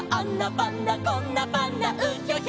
パンダこんなパンダうひょひょ」